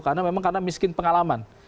karena memang miskin pengalaman